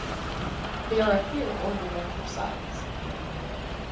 They are here ordered after size.